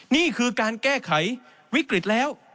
นี่คือการแก้ไขวิกฤตแล้ว